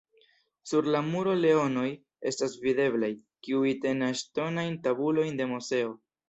Sur la muro leonoj estas videblaj, kiuj tenas ŝtonajn tabulojn de Moseo.